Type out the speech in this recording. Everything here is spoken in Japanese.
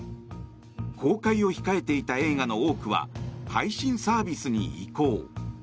公開を控えていた映画の多くは配信サービスに移行。